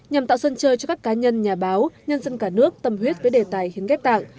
nhằm tạo sân chơi cho các cá nhân nhà báo nhân dân cả nước tâm huyết với đề tài hiến ghép tặng